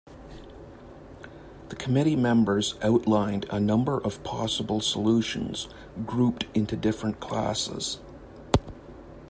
The Committee members outlined a number of possible solutions grouped into different classes.